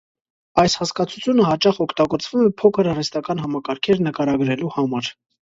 Այս հասկացությունը հաճախ օգտագործվում է փոքր արհեստական համակարգեր նկարագրելու համար։